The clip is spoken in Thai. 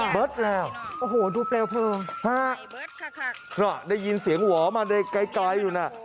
เบิร์ดแล้วโอ้โหดูเปลวเพลิงได้ยินเสียงหัวมาได้ไกลอยู่น่ะ